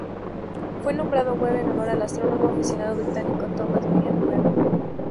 Fue nombrado Webb en honor al astrónomo aficionado británico Thomas William Webb.